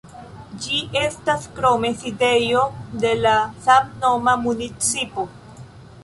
Ĝi estas krome sidejo de la samnoma municipo.